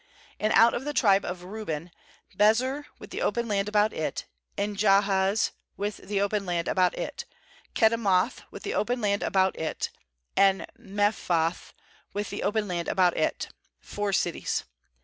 [^And out of the tribe of Reuben, Bezer with the open land about it, and Jahaz with the open land about it; 37Kedemoth with the open land about it, and Mepha ath with the open land about it; four cities.